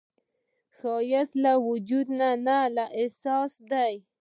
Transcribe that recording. ښایست له وجوده نه، له احساسه دی